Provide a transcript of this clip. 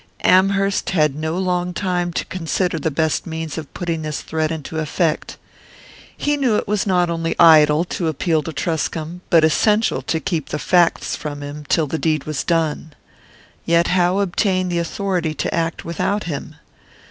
Amherst had no long time to consider the best means of putting this threat into effect. He knew it was not only idle to appeal to Truscomb, but essential to keep the facts from him till the deed was done; yet how obtain the authority to act without him?